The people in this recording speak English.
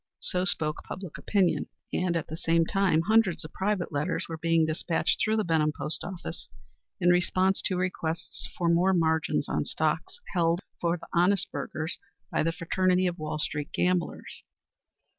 So spoke public opinion, and, at the same time, hundreds of private letters were being despatched through the Benham Post Office in response to requests for more margins on stocks held for the honest burghers by the fraternity of Wall street gamblers.